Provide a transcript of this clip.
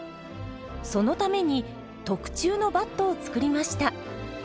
そのために特注のバットを作りました。